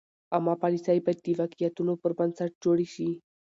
عامه پالیسۍ باید د واقعیتونو پر بنسټ جوړې شي.